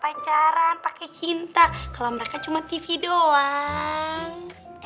percintaan pake cinta kalau mereka cuma tv doang